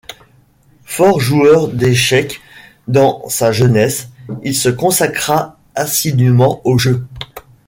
Fort joueur d'échecs dans sa jeunesse, il se consacra assidûment au jeu.